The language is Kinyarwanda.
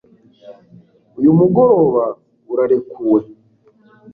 uyu mugoroba urarekuwe